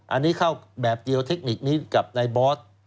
อันนี้เข้าแบบเดียวเทคนิคนี้กับนายบอส